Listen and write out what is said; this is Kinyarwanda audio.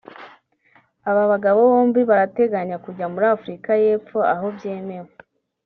aba bagabo bombi barateganya kujya muri Afurika y’Epfo aho byemewe